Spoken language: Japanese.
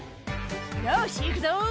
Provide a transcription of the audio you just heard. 「よし行くぞ」